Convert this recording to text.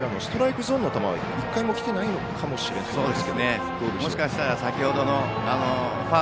もしかしたら、ここまでストライクゾーンの球は１回も来ていないのかもしれないです。